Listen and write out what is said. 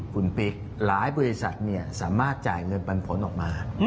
คุณปิ๊กหลายบริษัทสามารถจ่ายเงินปันผลออกมา